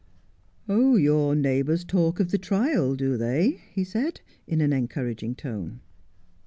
' Oh, your neighbours talk of the trial, do they ?' he said, in an encouraging tone.